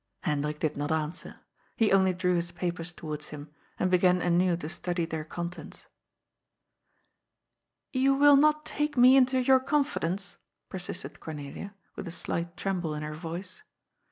Hendrik did not answer. He only drew his papers towards him, and began anew to study their contents. " You will not take me into your confidence ?" per sisted Cornelia, with a slight tremble in her Yoice.